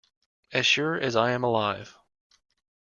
As sure as I am alive.